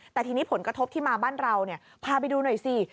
แต่ทีนี้ผลกระทบที่มาบ้านเราพาไปดูหน่อยสิ